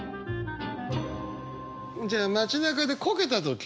じゃあ街なかでこけた時。